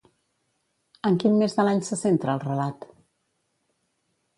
En quin mes de l'any se centra el relat?